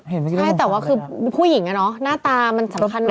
ผู้หญิงเนี่ยเนาะหน้าตามันสำคัญ